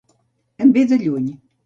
Em ve de lluny.